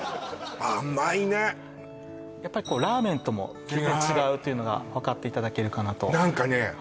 やっぱりこうラーメンとも全然違う違うというのが分かっていただけるかなと何かね